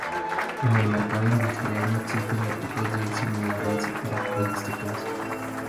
En el mercado industrial no existen equipos de similares características.